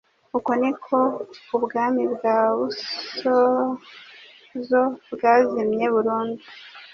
Uko niko Ubwami bwa Busozo bwazimye burundu.